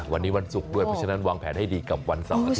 วันนี้วันศุกร์ด้วยเพราะฉะนั้นวางแผนให้ดีกับวันเสาร์อาทิต